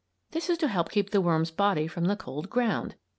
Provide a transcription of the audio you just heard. This is to help keep the worm's body from the cold ground.